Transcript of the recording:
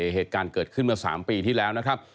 เหตุการณ์เกิดขึ้นเมื่อ๓ปีที่แล้วนะครับ